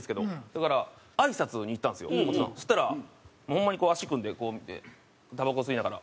だから挨拶に行ったんですよ後藤さん。そしたらホンマに足組んでこう見てたばこ吸いながら。